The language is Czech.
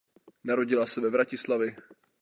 Narodila se ve Vratislavi.